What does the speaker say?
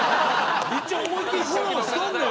一応思いっきりフォローしとんねん！